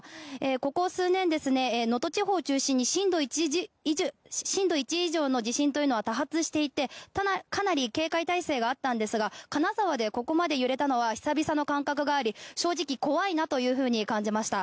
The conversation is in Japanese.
ここ数年、能登地方を中心に震度１以上の地震というのは多発していてかなり警戒態勢があったんですが金沢でここまで揺れたのは久々の感覚があり正直、怖いなと感じました。